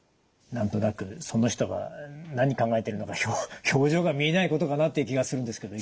何となくその人が何考えてるのか表情が見えないことかなっていう気がするんですけど。